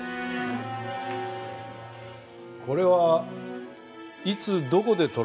これはいつどこで撮られた写真ですか？